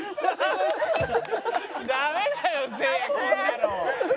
ダメだよせいやこんなの。